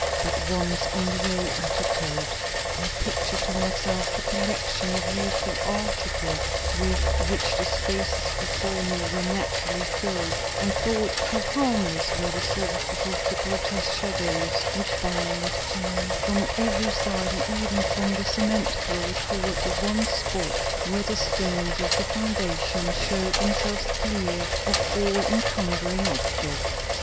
But once on my way I took courage. I pictured to myself the collection of useful articles with which the spaces before me were naturally filled, and thought how harmless were the sources of the grotesque shadows which bowed to me from every side and even from the cement floor toward the one spot where the stones of the foundation showed themselves clear of all encumbering objects.